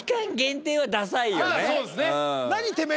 そうですね。